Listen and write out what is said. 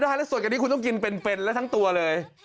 ไม่ได้สดกว่านี้คุณต้องกินเป็นแล้วทั้งตัวเลย